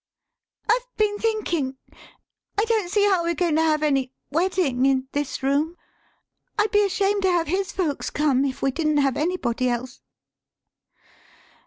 "I've been thinking I don't see how we're goin' to have any wedding in this room. I'd be ashamed to have his folks come if we didn't have anybody else."